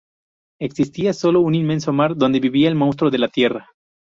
Existía solo un inmenso mar, donde vivía el monstruo de la tierra.